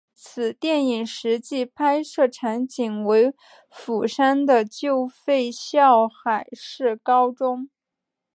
此电影实际拍摄场景为釜山的旧废校海事高中。